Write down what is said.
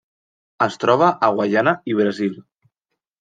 Es troba a Guaiana i Brasil.